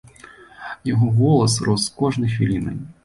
Яго голас рос з кожнай хвілінай.